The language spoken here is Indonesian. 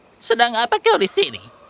anak muda sedang apa kau di sini